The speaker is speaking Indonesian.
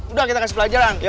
udah kita kasih pelajaran